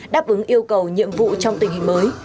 đáp ứng yêu cầu nhiệm vụ trong tình hình mới